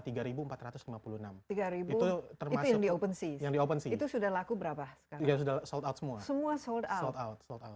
itu yang di opensea nggak sudah laku berapa yang selesai semua